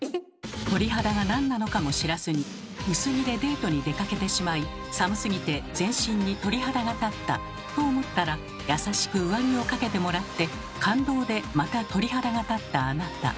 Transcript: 鳥肌が何なのかも知らずに薄着でデートに出かけてしまい寒すぎて全身に鳥肌が立ったと思ったら優しく上着をかけてもらって感動でまた鳥肌が立ったあなた。